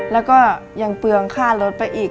แล้วก็ยังเปลืองค่ารถไปอีก